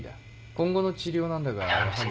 今後の治療なんだがやはり。